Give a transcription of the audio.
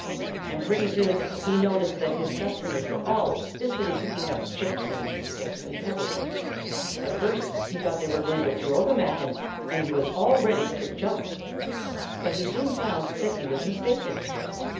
And pretty soon he noticed that his customers were all busily picking up chips and sticks and pebbles. At first he thought they were going to throw them at him; and he was all ready to jump. But he soon found that he was mistaken.